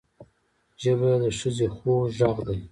ژبه د ښځې خوږ غږ دی